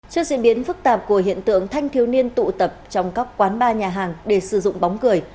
trước diễn biến phức tạp của hiện tượng thanh thiếu niên tụ tập trong các quán bar nhà hàng để sử dụng bóng cười